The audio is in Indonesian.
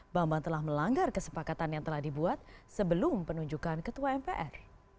bambang telah melanggar kesepakatan yang telah dibuat sebelum penunjukan ketua mpr